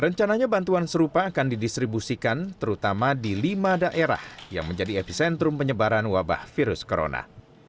rencananya bantuan serupa akan didistribusikan terutama di lima daerah yang menjadi epicentrum penyebaran wabah virus corona